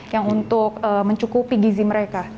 yang untuk mencukupi gizi mereka